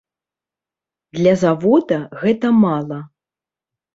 Для завода гэта мала.